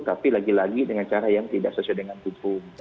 tapi lagi lagi dengan cara yang tidak sesuai dengan hukum